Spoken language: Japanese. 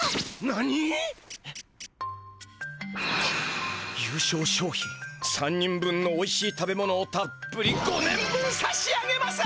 ハッ「優勝賞品３人分のおいしい食べ物をたっぷり５年分さしあげます」！？